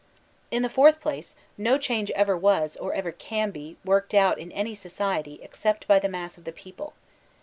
In the fourth place, no change ever was, or ever can be, worked out in any society, except by the mass of the people.